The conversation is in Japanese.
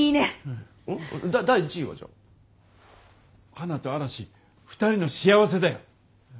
花と嵐２人の幸せだよ！